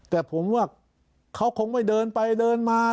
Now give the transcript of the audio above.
แต่ผมว่าเขาคงไม่เดินไปเดินมา